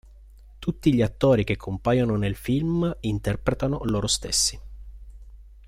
Tutti gli attori che compaiono nel film interpretano loro stessi.